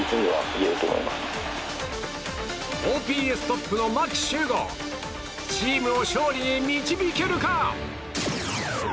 ＯＰＳトップの牧秀悟チームを勝利に導けるか？